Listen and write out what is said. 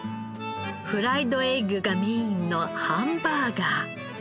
フライドエッグがメインのハンバーガー。